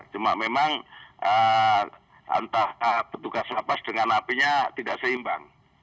cuma memang antara petugas lapas dengan apinya tidak seimbang